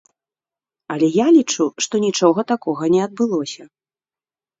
Але я лічу, што нічога такога не адбылося.